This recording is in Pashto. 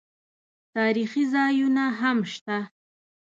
تاریخي ځایونه هم شته.